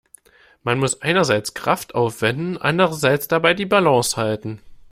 Man muss einerseits Kraft aufwenden, andererseits dabei die Balance halten.